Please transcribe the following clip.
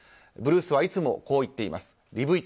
ブルースはいつもこう言っています。